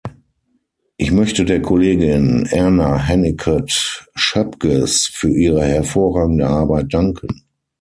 Ich möchte der Kollegin Erna Hennicot-Schoepges für ihre hervorragende Arbeit danken.